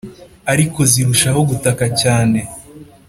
ariko zirushaho gutaka cyane